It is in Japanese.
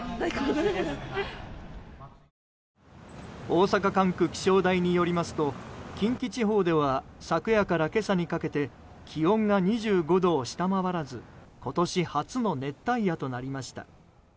大阪管区気象台によりますと近畿地方では昨夜から今朝にかけて気温が２５度を下回らず今年初の熱帯夜となりました。